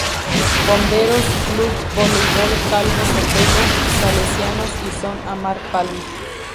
Bomberos, Club Voleibol Calvo Sotelo, Salesianos y Son Amar Palma.